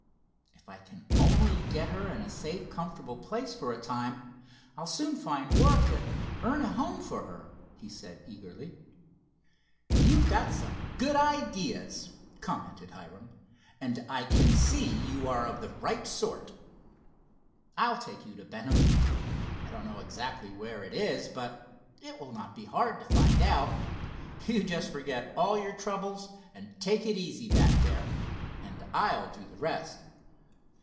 If I can only get her in a safe, comfortable place for a time, I'll soon find work, and earn a home for her," he said eagerly. "You've got some good ideas," commented Hiram, "and I can see you are of the right sort. I'll take you to Benham. I don't exactly know where it is, but it will not be hard to find out. You just forget all your troubles, and take it easy back there, and I'll do the rest."